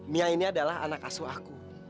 mia ini adalah anak asuh aku